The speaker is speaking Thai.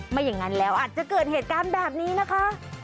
ไม่อย่างนั้นแล้วอาจจะเกิดเหตุการณ์แบบนี้นะคะ